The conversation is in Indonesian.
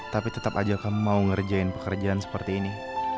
tapi tetap aja kamu mau ngerjain pekerjaan seperti ini